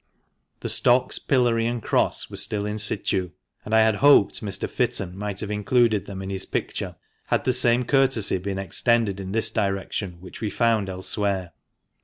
The stocks, pillory, and cross were still in situ, and I had hoped Mr. Fitton might have included them in his picture, had the same courtesy been extended in this direction which we found elsewhere.